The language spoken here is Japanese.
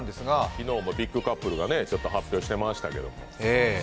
昨日もビッグカップルが誕生しましたけれども。